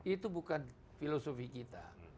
itu bukan filosofi kita